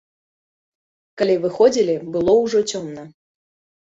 Калі выходзілі, было ўжо цёмна.